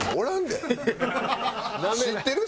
知ってる？